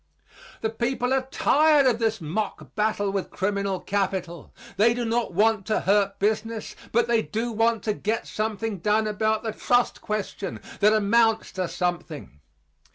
The people are tired of this mock battle with criminal capital. They do not want to hurt business, but they do want to get something done about the trust question that amounts to something.